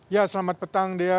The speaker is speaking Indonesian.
ya selamat petang dia